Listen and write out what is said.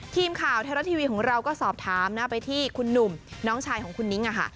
ทีมข่าวไทยรัฐทีวีของเราก็สอบถามนะไปที่คุณหนุ่มน้องชายของคุณนิ้ง